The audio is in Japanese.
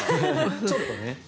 ちょっとね。